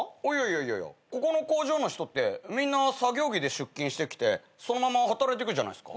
いやここの工場の人ってみんな作業着で出勤してきてそのまま働いてくじゃないですか。